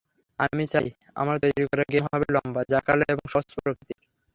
আমি চাই, আমার তৈরী করা গেম হবে লম্বা, জাঁকালো এবং সহজ প্রকৃতির।